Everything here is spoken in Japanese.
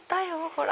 ほら。